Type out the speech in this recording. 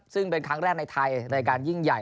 ซึ่งเป็นครั้งแรกในไทยรายการยิ่งใหญ่